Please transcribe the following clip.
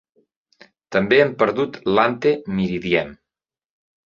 També hem perdut l'ante meridiem.